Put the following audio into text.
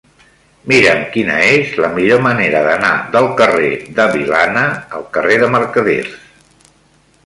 Mira'm quina és la millor manera d'anar del carrer de Vilana al carrer de Mercaders.